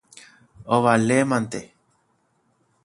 ovalémante.